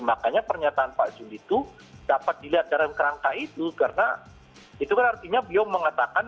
makanya pernyataan pak zul itu dapat dilihat dalam kerangka itu karena itu kan artinya beliau mengatakan